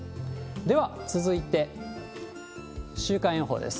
では、続いて週間予報です。